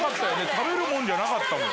食べるもんじゃなかったもん。